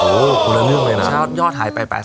โหคุณเนื่องเลยนะชาติยอดหายไป๘๐